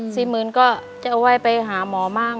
๔๐๐๐๐บาทก็จะเอาไว้ไปหาหมอบ้าง